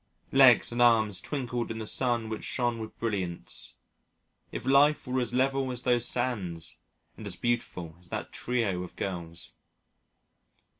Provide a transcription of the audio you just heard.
Legs and arms twinkled in the sun which shone with brilliance. If life were as level as those sands and as beautiful as that trio of girls!